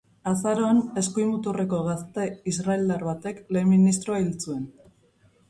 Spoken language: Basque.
Azaroan, eskuin muturreko gazte israeldar batek lehen ministroa hil zuen.